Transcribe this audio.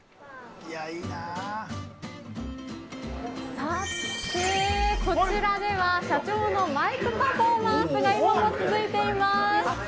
さて、こちらでは社長のマイクパフォーマンスが今も続いています。